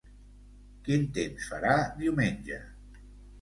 Quin temps farà diumenge?